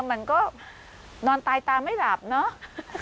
มันก็นอนตายตาไม่หลับเนาะ